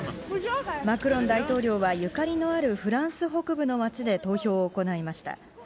マクロン大統領はゆかりのあるフランス北部の街で投票を行いました。